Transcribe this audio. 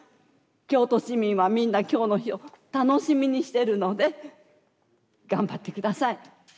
京都市民はみんな今日の日を楽しみにしてるので頑張って下さい。